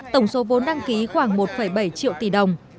tổng số vốn đăng ký khoảng một bảy triệu tỷ đồng